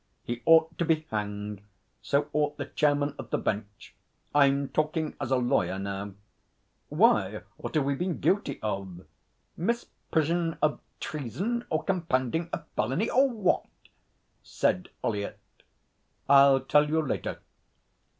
'He ought to be hanged. So ought the Chairman of the Bench. I'm talking as a lawyer now.' 'Why, what have we been guilty of? Misprision of treason or compounding a felony or what?' said Ollyett. 'I'll tell you later.'